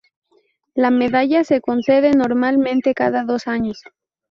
La medalla se concede normalmente cada dos años.